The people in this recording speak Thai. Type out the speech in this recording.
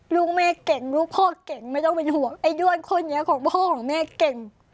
ลูกแม่เก่งลูกพ่อเก่งไม่ต้องเป็นห่วงไอ้ด้วนคนนี้ของพ่อของแม่เก่ง